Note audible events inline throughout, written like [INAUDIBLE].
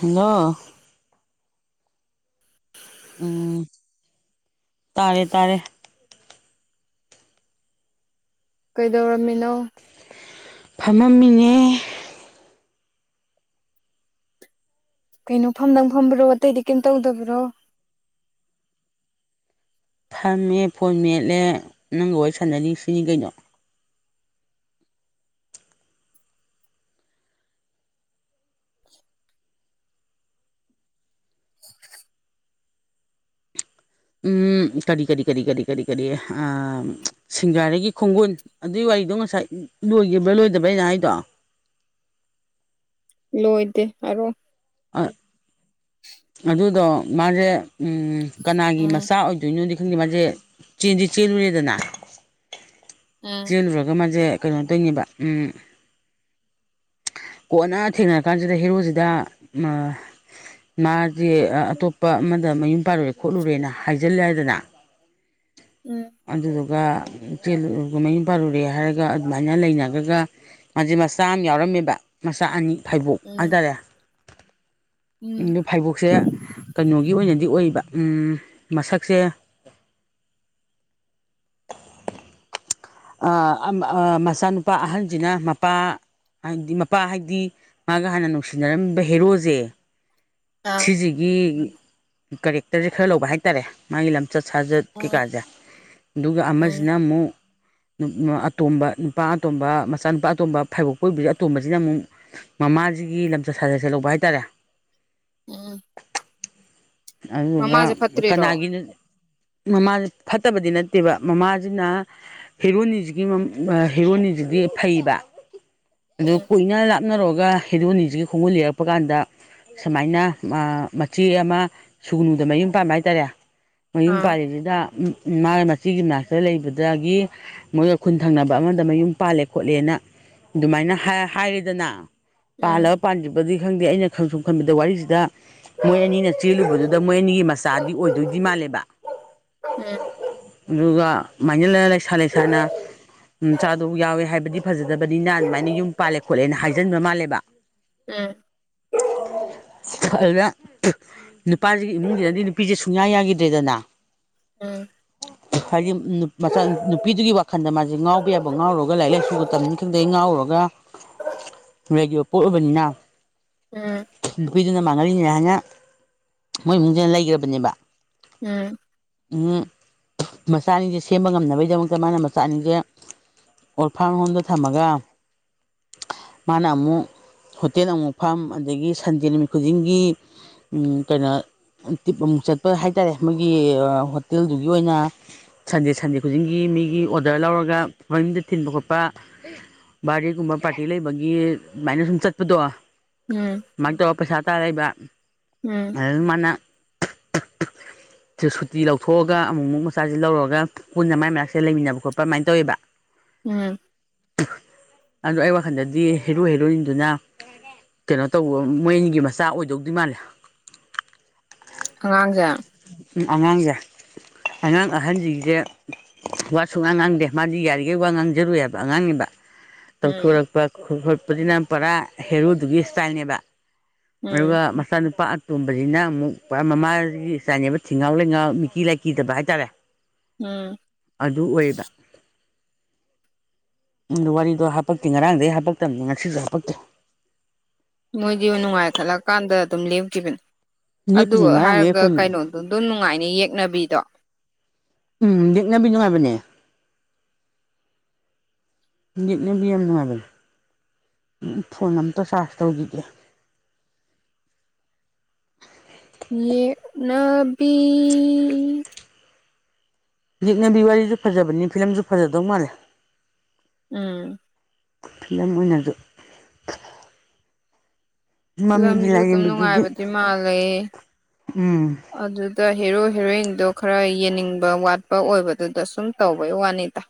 hello [INAUDIBLE] ꯎꯝ ꯇꯥꯔꯦ ꯇꯥꯔꯦ ꯀꯩꯗꯧꯔꯝꯃꯤꯅꯣ ꯐꯝꯃꯝꯃꯤꯅꯦ ꯀꯩꯅꯣ ꯐꯝꯗꯪ ꯐꯝꯕ꯭ꯔꯣ ꯑꯇꯩꯗꯤ ꯀꯔꯤꯝ ꯇꯧꯗꯕ꯭ꯔꯣ ꯐꯝꯃꯦ ꯐꯣꯟ ꯃꯦꯠꯂꯦ ꯅꯪꯒ ꯋꯥꯔꯤ ꯁꯥꯟꯅꯔꯤ ꯁꯤꯅꯤ ꯀꯩꯅꯣ ꯎꯝ ꯀꯔꯤ ꯀꯔꯤ ꯀꯔꯤ ꯀꯔꯤ ꯀꯔꯤ ꯀꯔꯤ ꯁꯤꯡꯒꯔꯩꯒꯤ ꯈꯣꯡꯒꯨꯟ ꯑꯗꯨꯏ ꯋꯥꯔꯤꯗꯣ ꯉꯁꯥꯏ ꯂꯣꯏꯈꯤꯕ꯭ꯔꯥ ꯂꯣꯏꯗꯕ꯭ꯔꯅ ꯑꯩꯅꯥ ꯍꯥꯏꯗꯣ ꯂꯣꯏꯗꯦ ꯑꯣ ꯑ ꯎ ꯑꯗꯨꯗꯣ ꯃꯥꯁꯦ ꯎꯝ ꯀꯅꯥꯒꯤ ꯃꯆꯥ ꯑꯣꯏꯗꯣꯏꯅꯣꯗꯤ ꯈꯪꯗꯦ ꯃꯥꯁꯦ ꯆꯦꯟꯗꯤ ꯆꯦꯜꯂꯨꯔꯦꯗꯅ ꯆꯦꯜꯂꯨꯔꯒ ꯃꯥꯁꯦ ꯀꯩꯅꯣ ꯇꯧꯏꯅꯦꯕ ꯎꯝ ꯀꯣꯟꯅ ꯊꯦꯡꯅꯔ ꯀꯥꯟꯁꯤꯗ ꯍꯦꯔꯣꯁꯤꯗ ꯃꯥ ꯃꯥꯁꯦ ꯑꯇꯣꯞꯄ ꯑꯃꯗ ꯃꯌꯨꯝ ꯄꯥꯜꯂꯨꯔꯦ ꯈꯣꯠꯂꯨꯔꯦꯅ ꯍꯥꯏꯖꯤꯜꯂꯦ ꯍꯥꯏꯗꯅ [UNINTELLIGIBLE] ꯎꯝ ꯑꯗꯨꯗꯨꯒ ꯆꯦꯜꯂꯨꯔꯒ ꯃꯌꯨꯝ ꯄꯥꯜꯂꯨꯔꯦ ꯍꯥꯏꯔꯒ ꯑꯗꯨꯃꯥꯏꯅ ꯂꯩꯅꯒ꯭ꯔꯒ ꯃꯥꯁꯦ ꯃꯆꯥ ꯑꯃ ꯌꯥꯎꯔꯝꯃꯦꯕ ꯃꯆꯥ ꯑꯅꯤ ꯐꯥꯏꯕꯣꯛ ꯍꯥꯏꯇꯥꯔꯦ ꯑꯗꯨ ꯐꯩꯕꯣꯛꯁꯦ ꯀꯩꯅꯣꯒꯤ ꯑꯣꯏꯅꯗꯤ ꯑꯣꯏꯕ ꯎꯝ ꯃꯁꯛꯁꯦ [UNINTELLIGIBLE] ꯑ ꯃꯆꯥꯅꯨꯄꯥ ꯑꯍꯟꯁꯤꯅ ꯃꯄꯥ ꯍꯥꯏꯗꯤ ꯃꯄꯥ ꯍꯥꯏꯗꯤ ꯃꯥꯒ ꯍꯥꯟꯅ ꯅꯨꯡꯁꯤꯅꯔꯝꯃꯤꯝꯕ ꯍꯦꯔꯣꯁꯦ ꯁꯤꯁꯤꯒꯤ ꯀꯦꯔꯦꯛꯇꯔꯁꯦ ꯈꯔ ꯂꯧꯕ ꯍꯥꯏꯇꯥꯔꯦ ꯃꯥꯒꯤ ꯂꯝꯆꯠ ꯁꯥꯖꯠ ꯀꯩꯀꯥꯁꯦ ꯑꯗꯨꯒ ꯑꯃꯁꯤꯅ ꯑꯃꯨꯛ ꯑꯇꯣꯝꯕ ꯅꯨꯄꯥ ꯑꯇꯣꯝꯕ ꯃꯆꯥꯅꯨꯄꯥ ꯑꯇꯣꯝꯕ ꯐꯥꯏꯕꯣꯛꯄ ꯄꯣꯛꯏꯕꯁꯤ ꯑꯇꯣꯝꯕꯁꯤꯅ ꯑꯃꯨꯛ ꯃꯃꯥꯁꯤꯒꯤ ꯂꯝꯆꯠ ꯁꯥꯖꯠꯁꯠꯁꯦ ꯂꯧꯕ ꯍꯥꯏꯇꯥꯔꯦ ꯎꯝ ꯑꯗꯨꯗꯨꯒ ꯀꯅꯥꯒꯤꯅꯣ ꯃꯃꯥꯥꯁꯦ ꯐꯠꯇꯕꯗꯤ ꯅꯠꯇꯦꯕ ꯃꯃꯥꯁꯤꯅ ꯍꯦꯔꯣꯅꯤꯖꯤꯒꯤ ꯃꯝ ꯑꯥ ꯍꯦꯔꯣꯅꯤꯖꯤꯗꯤ ꯐꯩꯕ ꯑꯗꯨ ꯎꯝ ꯀꯣꯏꯅꯔꯛ ꯅꯔꯣꯒ ꯍꯦꯔꯣꯅꯤꯖꯤ ꯈꯣꯡꯒꯨꯜ ꯂꯤꯔꯛꯄ ꯀꯥꯟꯗ ꯁꯨꯃꯥꯏꯅ ꯑꯥ ꯃꯆꯦ ꯑꯃ ꯁꯨꯒꯨꯅꯨꯗ ꯃꯌꯨꯝ ꯄꯥꯟꯕ ꯍꯥꯏꯇꯥꯔꯦ ꯃꯌꯨꯝ ꯑꯥ ꯄꯥꯜꯂꯤꯖꯤꯗ ꯎꯝ ꯃꯥꯅ ꯃꯆꯦꯒꯤ ꯅꯥꯛꯇ ꯂꯩꯕꯗꯥꯒꯤ ꯃꯣꯏꯒ ꯈꯨꯟ ꯊꯪꯅꯕ ꯑꯃꯗ ꯃꯌꯨꯝ ꯄꯥꯜꯂꯦ ꯈꯣꯠꯂꯦꯅ ꯑꯗꯨꯃꯥꯏꯅ ꯍꯥꯏ ꯍꯥꯏꯔꯦꯗꯅ ꯎꯝ ꯄꯥꯜꯂ ꯄꯥꯟꯗ꯭ꯔꯤꯕꯥꯗꯤ ꯈꯪꯗꯦ ꯑꯩꯅ ꯈꯪ ꯁꯨꯝ ꯈꯟꯕꯗ ꯋꯥꯔꯤꯖꯤꯗ ꯃꯣꯏ ꯑꯅꯤꯅ ꯆꯦꯜꯂꯨꯕ ꯑꯗ ꯃꯣꯏꯅꯤꯒꯤ ꯃꯆꯥꯗꯤ ꯑꯣꯏꯗꯣꯏꯗꯤ ꯃꯥꯜꯂꯦꯕ ꯎꯝ ꯑꯗꯨꯒ ꯃꯥꯏꯅꯂꯩ ꯂꯩꯁꯥ ꯂꯩꯁꯥꯅ ꯎꯝ ꯆꯥꯗꯣ ꯌꯥꯎꯋꯦ ꯍꯥꯏꯕꯗꯤ ꯐꯖꯗꯕꯅꯤꯅ ꯑꯗꯨꯃꯥꯏꯅ ꯌꯨꯝ ꯄꯥꯜꯂꯦ ꯈꯣꯠꯂꯦꯅ ꯍꯥꯏꯖꯟꯕ ꯃꯥꯜꯂꯦꯕ ꯎꯝ [UNINTELLIGIBLE] ꯅꯨꯄꯥꯖꯤꯒꯤ ꯏꯃꯨꯡꯖꯤꯗꯗꯤ ꯅꯨꯄꯤꯖꯦ ꯁꯨꯡꯌꯥ ꯌꯥꯒꯤꯗ꯭ꯔꯦꯗꯅꯥ ꯎꯝ [UNINTELLIGIBLE] ꯍꯥꯏꯗꯤ ꯅꯨꯞ ꯃꯆꯥ ꯅꯨꯞ ꯅꯨꯄꯤꯗꯨꯒꯤ ꯋꯥꯈꯟꯗ ꯃꯥꯖꯦ ꯉꯥꯎꯕ ꯌꯥꯕ ꯉꯥꯎꯔꯨꯔꯒ ꯂꯥꯏꯔꯤꯛ ꯂꯥꯏꯁꯨꯒ ꯇꯝꯅꯤ ꯈꯪꯗꯩ ꯉꯥꯎꯔꯨꯔꯒꯥ ꯂꯩꯒꯤꯕ ꯄꯣꯠ ꯑꯣꯏꯕꯅꯤꯅ ꯎꯝ ꯅꯨꯄꯤꯗꯨꯅ ꯃꯥꯡꯍꯜꯂꯤꯅꯦ ꯍꯥꯏꯅ ꯃꯣꯏ ꯏꯃꯨꯡꯖꯤꯅ ꯂꯩꯒ꯭ꯔꯥꯕꯅꯦꯕ ꯎꯝ ꯎꯝ ꯃꯆꯥ ꯑꯅꯤꯁꯦ ꯁꯦꯝꯕ ꯉꯝꯅꯕꯩꯗꯃꯛꯇ ꯃꯥꯅ ꯃꯆꯥꯑꯅꯤꯁꯦ ꯑꯣꯔꯐꯥꯝ ꯍꯣꯝꯗ ꯊꯝꯃꯒ ꯃꯥꯅ ꯑꯃꯨꯛ ꯍꯣꯇꯦꯜ ꯑꯃꯨꯛ ꯐꯝ ꯑꯗꯒꯤ ꯁꯟꯗꯦ ꯅꯨꯃꯤꯠ ꯈꯨꯗꯤꯡꯒꯤ ꯎꯝ ꯀꯩꯅꯣ ꯇꯤꯞ ꯑꯃꯨꯛ ꯆꯠꯄ ꯍꯥꯏ ꯇꯥꯔꯦ ꯃꯣꯏꯒꯤ ꯍꯣꯇꯦꯜꯗꯨꯒꯤ ꯑꯣꯏꯅ ꯁꯟꯗꯦ ꯁꯟꯗꯦ ꯈꯨꯗꯤꯡꯒꯤ ꯃꯤꯒꯤ ꯑꯣꯔꯗꯔ ꯂꯧꯔꯒ ꯃꯌꯨꯝꯗ ꯊꯤꯟꯕ ꯈꯣꯠꯄ ꯕꯥꯔꯗꯦꯒꯨꯝꯕ ꯄꯥꯔꯇꯤ ꯂꯩꯕꯒꯤ ꯑꯗꯨꯃꯥꯏꯅ ꯁꯨꯝ ꯆꯠꯄꯗꯣ ꯅꯣꯌꯦ ꯃꯥꯏ ꯇꯧꯔ ꯄꯩꯁꯥ ꯇꯥ ꯂꯩꯕ ꯎꯝ ꯑꯗꯨ ꯃꯥꯅ ꯁꯨꯇꯤ ꯂꯧꯊꯣꯛꯑꯒ ꯑꯃꯨꯛ ꯃꯨꯛ ꯃꯆꯥꯖꯤ ꯂꯧꯔꯨꯔꯒ ꯄꯨꯟꯅ ꯃꯥꯏ ꯃꯅꯥꯛꯁꯦ ꯂꯩꯃꯤꯟꯅꯕ ꯈꯣꯠꯄ ꯑꯃꯥꯏ ꯇꯧꯋꯦꯕ [UNINTELLIGIBLE] ꯑꯗꯣ ꯑꯩ ꯋꯥꯈꯟꯗꯗꯤ ꯍꯦꯔꯣ ꯍꯦꯔꯣꯅꯤꯗꯨꯅ ꯀꯩꯅꯣ ꯇꯧꯕ ꯃꯣꯏ ꯑꯅꯤꯒꯤ ꯃꯆꯥ ꯑꯣꯏꯗꯧꯗꯤ ꯃꯥꯜꯂꯦ ꯑꯉꯥꯡꯖꯦ ꯎꯝ ꯑꯉꯥꯡꯖꯦ ꯑꯉꯥꯡ ꯑꯍꯟꯖꯤꯖꯦ ꯋꯥ ꯁꯨꯉꯥꯡ ꯉꯥꯡꯗꯦ ꯃꯥꯗꯤ ꯌꯥꯔꯤꯒꯩ ꯋꯥ ꯉꯥꯡꯖꯔꯣꯏ ꯍꯥꯏꯕ ꯑꯉꯥꯡꯅꯤꯕ ꯎꯝ ꯇꯧꯊꯣꯔꯛꯄ ꯈ ꯈꯣꯠꯄꯁꯤꯅ ꯄꯨꯔꯥ ꯍꯦꯔꯣꯗꯨꯒꯤ ꯏꯁꯇꯥꯏꯜꯅꯦꯕ ꯎꯝ ꯑꯗꯨꯒ ꯏꯆꯥꯅꯨꯄꯥ ꯑꯇꯣꯝꯕꯖꯤꯅ ꯑꯃꯨꯛ ꯄꯨꯔꯥ ꯃꯃꯥꯖꯤꯒꯤ ꯆꯥꯅꯦꯕ ꯊꯤꯉꯥꯎ ꯂꯩꯉꯥꯎ ꯃꯤꯀꯤ ꯂꯥꯏꯀꯤꯗꯕ ꯍꯥꯏꯇꯥꯔꯦ ꯎꯝ ꯑꯗꯨ ꯑꯣꯏꯌꯦꯕ ꯎꯝ ꯋꯥꯔꯤꯗꯣ ꯍꯥꯄꯛꯇꯦ ꯉꯔꯥꯡꯗꯩ ꯍꯥꯄꯛꯇꯝꯅꯤ ꯉꯁꯤꯖꯨ ꯍꯥꯄꯛꯇꯦ ꯃꯣꯏꯗꯤ ꯅꯨꯡꯉꯥꯏꯈꯠꯂꯛꯀꯥꯟꯗ ꯑꯗꯨꯝ ꯂꯦꯞꯈꯤꯕꯅꯦ ꯑꯗꯨ ꯂꯦꯞꯄꯤꯅꯤ ꯉꯔꯥꯡ ꯍꯥꯏꯔꯒ ꯂꯦꯞꯄꯅꯤ ꯀꯩꯅꯣ ꯑꯗꯨꯝ ꯅꯨꯡꯉꯥꯏꯅꯦ ꯌꯦꯛꯅꯕꯤꯗꯣ ꯎꯝ ꯌꯦꯛꯅꯕꯤ ꯅꯨꯡꯉꯥꯏꯕꯅꯦ ꯌꯦꯛꯅꯕꯤ ꯌꯥꯝ ꯅꯨꯡꯉꯥꯏꯕꯅꯦ ꯐꯣꯟ ꯑꯝꯇ ꯆꯥꯔꯖ ꯇꯧꯈꯤꯒꯦ ꯌꯦꯛꯅꯕꯤ ꯌꯦꯛꯅꯕꯤ ꯋꯥꯔꯤꯁꯨ ꯐꯖꯕꯅꯤꯅ ꯐꯤꯂꯝꯁꯨ ꯐꯥꯖꯗꯧ ꯃꯥꯜꯂꯦ ꯎꯝ ꯐꯤꯂꯝ ꯑꯣꯏꯅ ꯑꯗꯨꯝ ꯃꯃꯤꯒꯤ ꯐꯤꯂꯝꯁꯨ ꯑꯗꯨꯝ ꯂꯥꯏꯔꯦꯝꯕꯤꯗꯨꯗꯤ ꯅꯨꯡꯉꯥꯏꯕꯗꯤ ꯃꯥꯜꯂꯦ ꯎꯝ ꯑꯗꯨꯗ ꯍꯦꯔꯣ ꯍꯦꯔꯣꯏꯟꯗꯣ ꯈꯔ ꯌꯦꯡꯅꯤꯡꯕ ꯋꯥꯠꯄ ꯑꯣꯏꯕꯗꯨꯗ ꯁꯨꯝ ꯇꯧꯕꯩ ꯋꯥꯅꯤꯗ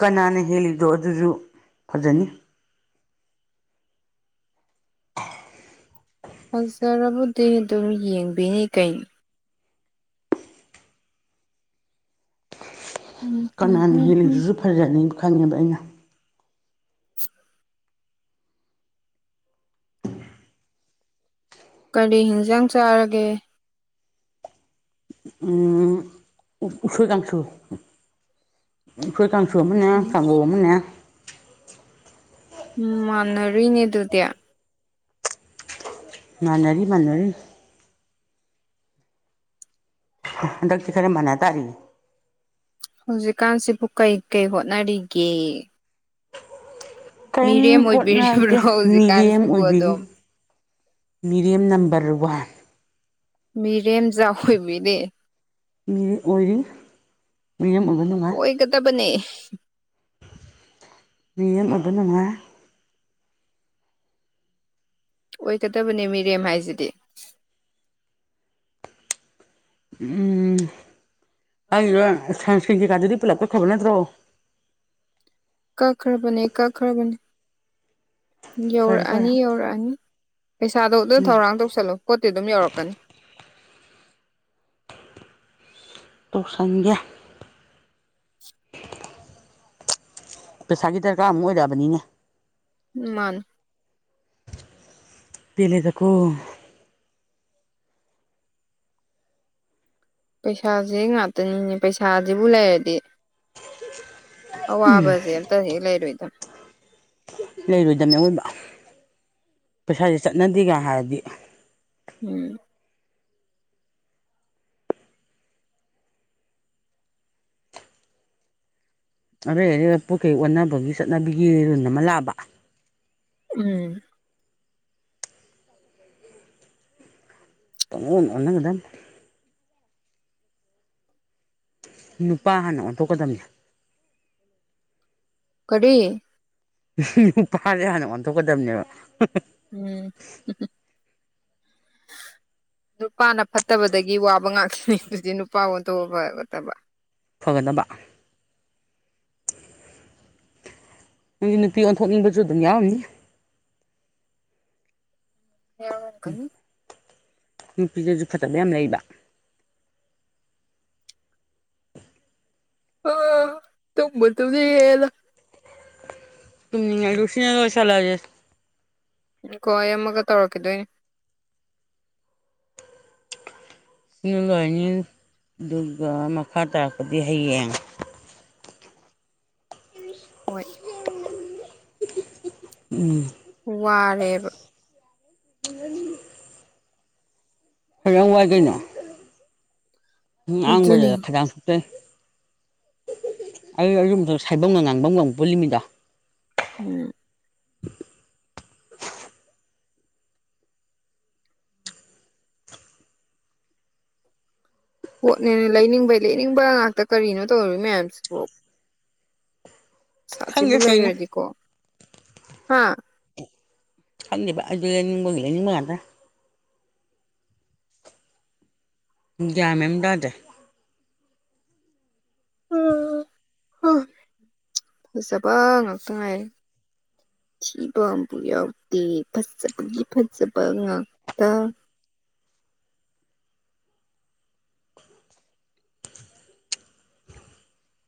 ꯀꯅꯥꯅ ꯍꯦꯜꯂꯤꯗꯣ ꯑꯗꯨꯁꯨ ꯐꯥꯖꯅꯤ ꯐꯥꯖꯔꯕꯨꯗꯤ ꯑꯗꯨꯝ ꯌꯦꯡꯕꯤꯅꯤ ꯀꯩꯅꯣ ꯎꯝ ꯎꯝ ꯀꯅꯥꯅ ꯎꯝ ꯎꯝ ꯍꯦꯜꯂꯤꯗꯨꯁꯨ ꯐꯥꯖꯅꯤ ꯈꯪꯉꯦꯕ ꯑꯩꯅ ꯀꯔꯤ ꯍꯤꯟꯖꯥꯡ ꯆꯥꯔꯒꯦ ꯎꯝ ꯎꯁꯣꯏ ꯀꯥꯡꯁꯨ ꯎꯁꯣꯏ ꯀꯥꯡꯁꯨ ꯑꯃꯅꯦ ꯀꯥꯡꯍꯧ ꯑꯃꯅꯦ ꯃꯥꯟꯅꯔꯤꯅꯦ ꯑꯗꯨꯗꯤ ꯃꯥꯟꯅꯔꯤ ꯃꯥꯟꯅꯔꯤ ꯍꯟꯗꯛꯇꯤ ꯈꯔ ꯃꯥꯟꯅ ꯇꯥꯔꯤꯌꯦ ꯍꯧꯖꯤꯛꯀꯥꯟꯁꯤꯕꯨ ꯀꯩ ꯀꯩ ꯍꯣꯠꯅꯔꯤꯒꯦ ꯀꯔꯤꯝ ꯃꯤꯔꯦꯝ ꯑꯣꯏꯕꯤꯔꯤꯕ꯭ꯔꯣ ꯍꯣꯠꯅꯗꯦ ꯃꯤꯔꯦꯝ ꯍꯧꯖꯤꯛꯀꯥꯟꯁꯤꯕꯨ ꯑꯣꯏꯕꯤꯔꯤ ꯑꯗꯨꯝ ꯃꯤꯔꯦꯝ ꯅꯝꯕꯔ ꯋꯥꯟ ꯃꯤꯔꯦꯝꯖꯥꯎ ꯑꯣꯏꯕꯤꯔꯤ ꯃꯤꯔꯦꯝ ꯑꯣꯏꯔꯤ ꯃꯤꯔꯦꯝ ꯑꯣꯏꯕ ꯅꯨꯡꯉꯥꯢ ꯑꯣꯢꯒꯗꯕꯅꯦ ꯃꯤꯔꯦꯝ ꯑꯣꯏꯕ ꯅꯨꯡꯉꯥꯏ ꯑꯣꯏꯒꯗꯕꯅꯦ ꯃꯤꯔꯦꯝ ꯍꯥꯏꯁꯤꯗꯤ ꯎꯝ ꯑꯩꯩꯅ ꯁꯟꯀ꯭ꯔꯤꯟ ꯀꯩꯀꯥꯗꯨꯗꯤ ꯄꯨꯂꯞ ꯀꯛꯈ꯭ꯔꯕ ꯅꯠꯇ꯭ꯔꯣ ꯀꯛꯈ꯭ꯔꯕꯅꯦ ꯀꯛꯈ꯭ꯔꯕꯅꯦ ꯐꯔꯦ ꯐꯔꯦ ꯌꯧꯔꯛꯑꯅꯤ ꯌꯧꯔꯛꯑꯅꯤ ꯄꯩꯁꯥꯗꯣ ꯑꯗꯨ ꯊꯧꯔꯥꯡ ꯇꯧꯁꯜꯂꯨ ꯄꯣꯠꯇꯤ ꯑꯗꯨꯝ ꯌꯧꯔꯛꯀꯅꯤ ꯇꯧꯁꯤꯟꯒꯦ ꯄꯩꯁꯥꯒꯤ ꯗꯔꯀꯥꯔ ꯑꯃꯨꯛ ꯑꯣꯏꯔꯛꯑꯕꯅꯤꯅꯦ ꯃꯥꯅꯦ ꯄꯦꯂꯦꯗꯀꯣ ꯄꯩꯁꯥꯁꯦ ꯉꯥꯛꯇꯅꯤꯅꯦ ꯄꯩꯁꯥꯁꯤꯕꯨ ꯂꯩꯔꯗꯤ ꯑꯋꯥꯕꯁꯦ ꯑꯝꯇ ꯍꯦꯛ ꯂꯩꯔꯣꯏꯗ ꯂꯩꯔꯣꯏꯗꯕꯅꯦ ꯑꯥꯑꯣꯏꯕ ꯄꯩꯁꯥꯁꯦ ꯆꯠꯅꯗꯦꯒ ꯍꯥꯏꯔꯗꯤ ꯎꯝ ꯑꯗꯩ ꯄꯣꯠꯈꯩ ꯑꯣꯟꯅꯕꯒꯤ ꯆꯠꯅꯕꯤꯒꯤ ꯔꯨꯟ ꯑꯃ ꯂꯥꯛꯑꯕ ꯎꯝ ꯄꯪꯑꯣꯟ ꯑꯣꯟꯅꯒꯗꯝꯅꯤ ꯅꯨꯄꯥ ꯍꯥꯟꯅ ꯑꯣꯟꯊꯣꯛꯀꯗꯕꯅꯦ ꯀꯔꯤ ꯅꯨꯄꯥꯁꯦ ꯍꯥꯟꯅ ꯑꯣꯟꯊꯣꯛꯀꯗꯕꯅꯦꯕ ꯎꯝ [INAUDIBLE] ꯅꯨꯄꯥꯅ ꯐꯠꯇꯕꯗꯒꯤ ꯋꯥꯕ ꯉꯥꯛꯇꯅꯤ ꯅꯨꯄꯥ ꯑꯣꯟꯊꯣꯛꯒꯗꯕꯅꯤ ꯐꯒꯗꯕ ꯑꯗꯨꯗꯤ ꯅꯨꯄꯤ ꯑꯣꯟꯊꯣꯛꯅꯤꯡꯕꯁꯨ ꯑꯗꯨꯝ ꯌꯥꯎꯔꯝꯅꯤ ꯌꯥꯎꯔꯝ ꯀꯅꯤ ꯅꯨꯄꯤꯗꯁꯨ ꯐꯖꯕ ꯌꯥꯝ ꯂꯩꯕ ꯑ ꯇꯨꯝꯕꯨ ꯇꯨꯝꯅꯤꯡꯉꯛꯑꯦꯗ ꯎꯝ ꯉꯥꯏꯈꯣ ꯁꯤꯅ ꯂꯣꯏꯁꯤꯟꯂꯁꯦ ꯉꯥꯏꯈꯣ ꯑꯩ ꯑꯃꯒ ꯇꯧꯔꯛꯀꯗꯣꯏꯅꯦ ꯁꯤꯅ ꯂꯣꯏꯔꯅꯤ ꯑꯗꯨꯒ ꯃꯈꯥ ꯇꯥꯔꯛꯄꯗꯤ ꯍꯌꯦꯡ ꯍꯣꯏ ꯎꯝ ꯋꯥꯔꯦꯕ [UNINTELLIGIBLE] ꯀꯩꯗꯧ ꯋꯥꯗꯣꯏꯅꯣ ꯑꯗꯨꯅꯤ ꯉꯥꯡꯕꯗꯗ ꯈꯗꯥꯡ ꯆꯣꯛꯊꯩ ꯑꯩ ꯑꯗꯨꯏ [UNINTELLIGIBLE] ꯉꯥꯡꯕꯝꯒ ꯑꯃꯨꯛ ꯄꯨꯟꯂꯤꯃꯤꯗꯣ ꯎꯝ [INAUDIBLE] ꯄꯣꯠꯅꯦꯅ ꯂꯩꯅꯤꯡꯕꯩ ꯂꯩꯅꯤꯡꯕ ꯉꯥꯛꯇ ꯀꯔꯤꯅꯣ ꯇꯧꯔꯤꯕ ꯃꯌꯥꯝꯁꯤꯕꯨ ꯈꯪꯗꯦ ꯄꯩꯁꯥꯁꯤꯕꯨ ꯀꯩꯅꯣ ꯂꯩꯔꯗꯤꯀꯣ ꯍꯥ ꯈꯪꯗꯦꯗ ꯑꯩꯗꯤ ꯂꯩꯅꯤꯡꯕꯒꯤ ꯂꯩꯅꯤꯡꯕ ꯉꯥꯛꯇ ꯒ꯭ꯌꯥꯟ ꯃꯦꯟ ꯑꯝ ꯇꯥꯗ꯭ꯔꯦ [INAUDIBLE] ꯐꯖꯕ ꯉꯥꯛꯇ ꯉꯥꯏꯔꯦ ꯑꯊꯤꯕ ꯑꯝꯕꯨ ꯌꯥꯎꯗꯦ ꯐꯖꯕꯒꯤ ꯐꯖꯕ ꯉꯥꯛꯇ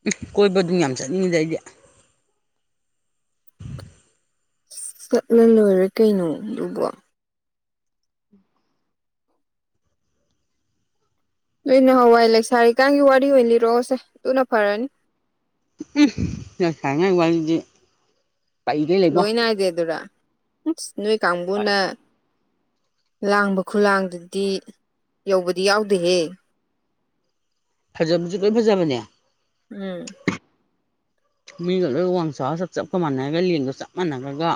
ꯎꯝ ꯀꯣꯏꯕ ꯗꯨꯝ ꯌꯥꯝ ꯆꯠꯅꯤꯡꯉꯤꯗ ꯑꯩꯗꯤ ꯆꯠꯂ ꯂꯣꯏꯔꯦ ꯀꯩꯅꯣ ꯑꯗꯨꯕꯣ ꯅꯣꯏ ꯅꯍꯥꯟꯋꯥꯏ ꯂꯩꯁꯥꯔꯤꯀꯥꯟꯒꯤ ꯋꯥꯔꯤ ꯑꯣꯏꯅ ꯂꯤꯔꯛꯑꯣꯁꯦ ꯑꯗꯨꯅ ꯐꯔꯅꯤ ꯂꯩꯁꯥꯔꯤꯉꯩ ꯋꯥꯔꯤꯗꯤ ꯄꯩꯒꯩ ꯂꯩꯕꯣ ꯂꯣꯏ ꯅꯥꯏꯗꯦꯗꯨꯔ ꯑꯁ ꯅꯣꯏ ꯀꯥꯡꯕꯨꯅ ꯂꯥꯡꯕ ꯈꯨꯂꯥꯡꯗꯨꯗꯤ ꯌꯧꯕꯗꯤ ꯌꯥꯎꯗꯦꯍꯦ ꯐꯖꯕꯁꯨ ꯂꯣꯏ ꯐꯖꯕꯅꯦ ꯎꯝ [INAUDIBLE] ꯃꯤꯒ ꯂꯣꯏ ꯋꯥꯡ ꯆꯥꯎ ꯆꯞ ꯆꯞꯀ ꯃꯥꯟꯅꯔꯒ ꯂꯦꯡꯒ ꯆꯞ ꯃꯥꯟꯅꯔꯒ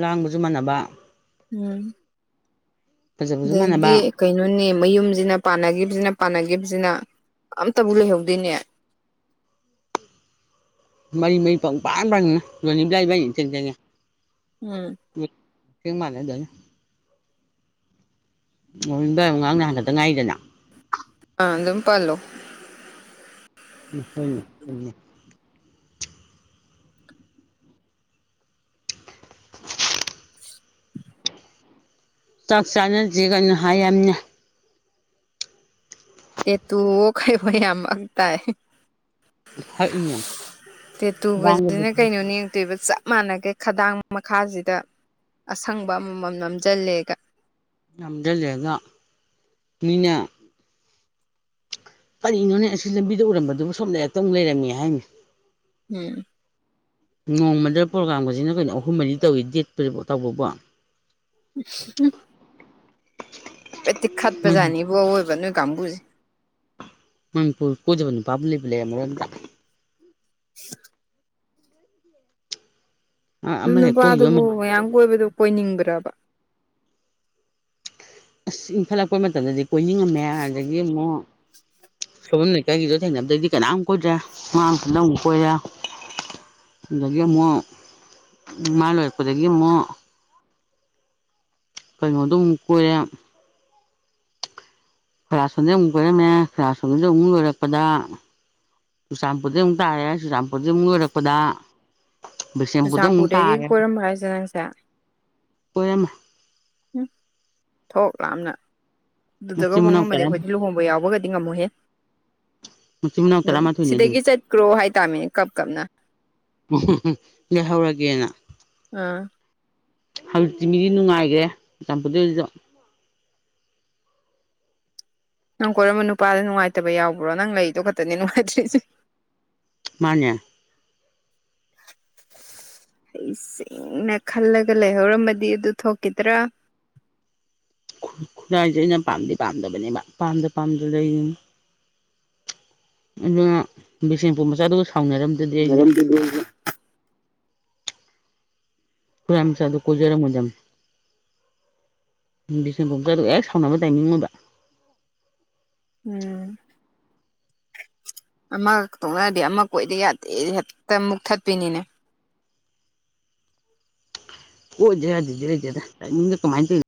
ꯂꯥꯡꯕꯁꯨ ꯃꯥꯟꯅꯕ ꯎꯝ ꯐꯖꯕꯁꯨ ꯑꯗꯩꯗꯤ ꯃꯥꯟꯅꯕ ꯀꯩꯅꯣꯅꯦ ꯃꯌꯨꯝꯁꯤꯅ ꯄꯥꯟꯅꯈꯤꯕꯁꯤꯅ ꯄꯥꯟꯅꯈꯤꯕꯁꯤꯅ ꯑꯝꯇꯕꯨ ꯂꯩꯍꯧꯗꯦꯅꯦ ꯃꯔꯤ ꯃꯔꯤ ꯄꯪꯄꯥꯟ ꯄꯥꯟꯅꯩ ꯔꯣꯅꯤꯕꯂꯥ ꯏꯕꯥꯅꯤꯅ ꯏꯊꯦꯡ ꯊꯦꯡꯉꯦ ꯎꯝ [UNINTELLIGIBLE] ꯃꯥꯟꯅꯗꯣꯏꯅꯦ [UNINTELLIGIBLE] ꯉꯔꯥꯡ ꯅꯍꯥꯟ ꯈꯛꯇ ꯉꯥꯏꯔꯤꯗꯅ ꯑꯪ ꯑꯗꯨꯝ ꯄꯜꯂꯣ ꯎꯝ ꯍꯣꯏꯅꯦ ꯆꯨꯝꯃꯤ ꯆꯥꯛ ꯆꯥꯅꯁꯤ ꯀꯥꯏꯅ ꯍꯥꯏ ꯍꯥꯏꯃꯤ ꯇꯦ ꯇꯨ ꯑꯣ ꯀꯩ ꯑꯣ ꯌꯥꯝ ꯃꯪ ꯇꯥꯏ ꯍꯛꯏꯅꯦ ꯂꯥꯡꯕꯕꯨ ꯇꯦꯇꯨꯒꯁꯤꯅ ꯀꯩꯅꯣꯅꯦ ꯇꯣꯏꯕ ꯆꯞ ꯃꯥꯟꯅꯒꯩ ꯈꯗꯥꯡ ꯃꯈꯥꯁꯤꯗ ꯑꯁꯪꯕ ꯑꯃꯃꯝ ꯅꯝꯁꯤꯜꯂꯦꯒ ꯅꯝꯖꯜꯂꯦꯒ ꯃꯤꯅ ꯀꯔꯤꯅꯣꯅꯦ ꯑꯁꯤ ꯂꯝꯕꯤꯗ ꯎꯔꯝꯕꯗꯨꯕꯨ ꯁꯣꯝ ꯂꯩꯔꯛꯇ ꯃꯨꯛ ꯂꯩꯔꯝꯃꯤ ꯍꯥꯏꯅꯤ ꯎꯝ ꯅꯣꯡꯃꯗ ꯄ꯭ꯔꯣꯒꯥꯝꯒꯁꯤꯅ ꯀꯩꯅꯣ ꯑꯍꯨꯝ ꯃꯔꯤ ꯇꯧꯏ ꯗꯦꯠ ꯄꯗꯕꯨ ꯇꯧꯕꯕꯣ ꯍꯝ ꯍꯥꯏꯐꯦꯠꯇꯤ ꯈꯠꯄꯖꯥꯅꯤꯕꯨ ꯑꯋꯣꯏꯕ ꯅꯣꯏ ꯀꯥꯡꯕꯨꯁꯦ ꯃꯅꯤꯄꯨꯔ ꯀꯣꯏꯗꯕ ꯅꯨꯄꯥꯕꯨ ꯂꯩꯕꯨ ꯂꯩꯔꯝꯃꯔꯣꯏ ꯅꯠꯇ꯭ꯔꯥ [INAUDIBLE] ꯑꯗꯨ ꯑꯃ ꯍꯦꯛ ꯀꯣꯏꯈꯤꯕ ꯅꯨꯄꯥꯗꯨꯕꯨ ꯃꯃꯥꯟꯅꯕꯒ ꯃꯌꯥꯝ ꯀꯣꯏꯕꯗꯨ ꯀꯣꯏꯅꯤꯡꯕ꯭ꯔꯕ ꯑꯁ ꯏꯪꯈꯠꯂꯛꯄ ꯃꯇꯝꯗꯗꯤ ꯀꯣꯏꯅꯤꯡꯉꯝꯃꯦ ꯑꯗꯒꯤ ꯑꯃꯨꯛ ꯁꯣꯏꯕꯝ ꯂꯩꯀꯥꯏꯒꯤꯗꯣ ꯊꯦꯡꯅꯕꯗꯒꯤꯗꯤ ꯀꯅꯥꯝ ꯀꯣꯏꯗ꯭ꯔꯦ ꯃꯥ ꯃꯊꯟꯇ ꯑꯃꯨꯛ ꯀꯣꯏꯔꯦ ꯑꯗꯒꯤ ꯑꯃꯨꯛ ꯃꯥꯥ ꯂꯣꯏꯔꯛꯄꯗꯒꯤ ꯑꯃꯨꯛ ꯀꯩꯅꯣꯗꯣ ꯑꯃꯨꯛ ꯀꯣꯏꯔꯦ ꯄꯦꯔꯥꯁꯣꯟꯗꯩ ꯑꯃꯨꯛ ꯀꯣꯏꯔꯝꯃꯦ ꯄꯦꯔꯥꯁꯣꯟꯗꯩꯩ ꯑꯃꯨꯛ ꯂꯣꯏꯔꯛꯄꯗꯥ ꯆꯨꯔꯆꯥꯟꯄꯨꯔꯗ ꯑꯃꯨꯛ ꯇꯥꯔꯦ ꯆꯨꯔꯆꯥꯟꯄꯨꯔꯗꯩ ꯑꯃꯨꯛ ꯂꯣꯏꯔꯛꯄꯗꯥ ꯕꯤꯁꯦꯝꯄꯨꯔꯗ ꯑꯃꯨꯛ ꯆꯨꯔꯆꯥꯟꯄꯨꯔꯗꯒꯤ ꯇꯥꯔꯦ ꯀꯣꯏꯔꯝꯕ ꯍꯥꯏꯁꯦ ꯅꯪꯁꯦ ꯀꯣꯏꯔꯝꯃꯦ ꯍꯝ ꯊꯣꯛ ꯌꯥꯝꯅ ꯑꯗꯨꯗꯒ ꯃꯆꯤꯟ ꯃꯅꯥꯎ ꯍꯣꯡꯉꯝꯃꯗꯤ ꯇꯔꯥ ꯑꯩꯈꯣꯏꯗꯤ ꯂꯨꯍꯣꯡꯕ ꯌꯥꯎꯕꯒꯗꯤ ꯉꯝꯃꯣꯢꯍꯦ ꯃꯆꯤꯟ ꯃꯅꯥꯎ ꯑꯗꯨꯝ ꯇꯔꯥꯃꯥꯊꯣꯏꯅꯦ ꯁꯤꯗꯒꯤ ꯑꯗꯨꯗꯤ ꯆꯠꯈ꯭ꯔꯣ ꯍꯥꯏꯇꯥꯝꯅꯤꯅꯦ ꯀꯞ ꯀꯞꯅ ꯎꯝ ꯍꯝ ꯍꯝ ꯂꯩꯍꯧꯔꯒꯦꯅ ꯑꯥ ꯍꯧꯖꯤꯛꯇꯤ ꯃꯤꯗꯤ ꯅꯨꯡꯉꯥꯏꯒ꯭ꯔꯦ ꯇꯥꯝꯄꯨꯗꯩꯖꯨ ꯅꯪ ꯀꯣꯏꯔꯝꯕ ꯅꯨꯄꯥꯗ ꯅꯨꯡꯉꯥꯏꯇꯕ ꯌꯥꯎꯕ꯭ꯔꯣ ꯅꯪ ꯂꯩꯗꯣ ꯈꯛꯇꯅꯦ ꯅꯨꯡꯉꯥꯏꯇ꯭ꯔꯤꯁꯦ ꯃꯥꯅꯦ ꯍꯩꯁꯤꯡꯅ ꯈꯜꯂꯒ ꯂꯩꯍꯧꯔꯝꯃꯗꯤ ꯑꯗꯨ ꯊꯣꯛꯈꯤꯗ꯭ꯔꯥ ꯈꯨ ꯈꯨꯔꯥꯏꯖꯦ ꯑꯩꯅ ꯄꯥꯝꯗꯤ ꯄꯥꯝꯗꯕꯅꯦꯕ ꯄꯥꯝꯗ ꯄꯥꯝꯗ ꯂꯩꯔꯤꯅꯤ ꯑꯗꯨꯅ ꯕꯤꯁꯦꯝꯄꯨꯔ ꯃꯆꯥꯗꯨꯒ ꯁꯥꯎꯅꯔꯝ ꯅꯔꯝꯗ꯭ꯔꯗꯤ ꯑꯩꯖꯨ ꯇ꯭ꯔꯥꯏꯞ ꯃꯆꯥꯗꯣ ꯀꯣꯏꯖꯔꯝꯃꯣꯏꯗꯕꯅꯦ ꯕꯤꯁꯦꯝꯄꯨꯔ ꯃꯆꯥꯗꯨꯒ ꯍꯦꯛ ꯁꯥꯎꯅꯕ ꯇꯥꯏꯃꯤꯡ ꯑꯣꯏꯕ ꯎꯝ ꯑꯃꯥ ꯇꯣꯛꯅꯔꯗꯤ ꯑꯃꯥ ꯀꯣꯏꯗ ꯌꯥꯗꯦ ꯍꯦꯛꯇ ꯃꯨꯛꯊꯠꯄꯤꯅꯤꯅꯦ ꯀꯣꯏꯗ ꯌꯥꯗꯦꯗꯤ ꯂꯩꯇꯦꯗ ꯇꯥꯏꯃꯤꯡꯗꯣ ꯀꯃꯥꯏꯅ ꯇꯧꯔꯤꯅꯣ